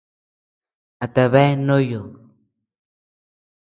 ¿A tabea ndoyod?